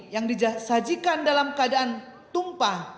yang disajikan dalam keadaan tumpah